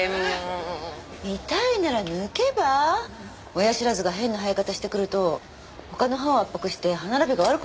親知らずが変な生え方してくると他の歯を圧迫して歯並びが悪く。